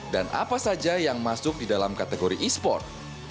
dan apa saja yang masuk di dalam kategori esports